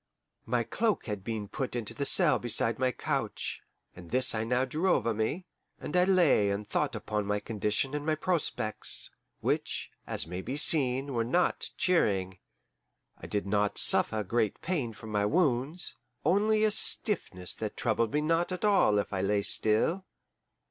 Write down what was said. My cloak had been put into the cell beside my couch, and this I now drew over me, and I lay and thought upon my condition and my prospects, which, as may be seen, were not cheering. I did not suffer great pain from my wounds only a stiffness that troubled me not at all if I lay still.